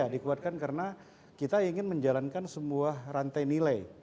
ya dikuatkan karena kita ingin menjalankan semua rantai nilai